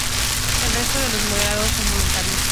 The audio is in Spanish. El resto de los moderadores son voluntarios.